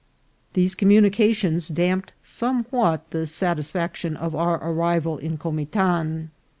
These communications damped some what the satisfaction of our arrival in Comitan.